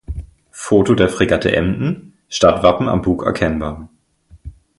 Foto der Fregatte Emden, Stadtwappen am Bug erkennbar